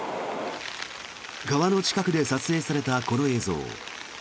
川の近くで撮影されたこの映像。